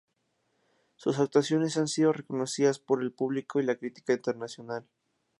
Sus actuaciones han sido reconocidas por el público y la crítica internacional.